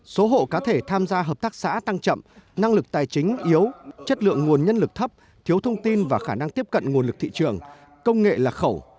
số hộ cá thể tham gia hợp tác xã tăng chậm năng lực tài chính yếu chất lượng nguồn nhân lực thấp thiếu thông tin và khả năng tiếp cận nguồn lực thị trường công nghệ lạc khẩu